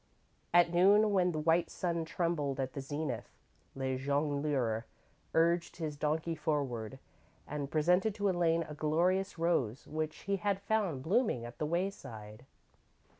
_ _At noon, when the white sun trembled at the zenith, Le Jongleur urged his donkey forward, and presented to Elaine a glorious rose which he had found blooming at the wayside.